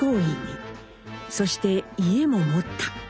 そして家も持った。